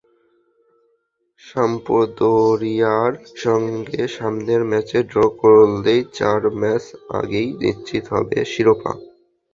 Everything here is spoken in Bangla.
সাম্পদোরিয়ার সঙ্গে সামনের ম্যাচে ড্র করলেই চার ম্যাচ আগেই নিশ্চিত হবে শিরোপা।